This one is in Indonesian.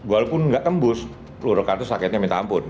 walaupun gak tembus peluru karet terus akhirnya minta ampun